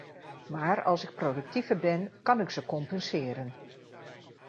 Maar als ik productiever ben, kan ik ze compenseren.